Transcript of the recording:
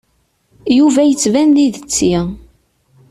Yuba yettban d idetti.